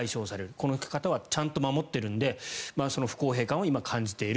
この方はちゃんと守っているのでその不公平感を今、感じている。